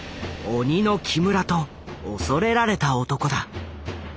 「鬼の木村」と恐れられた男だ。